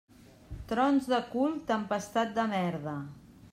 Trons de cul, tempestat de merda.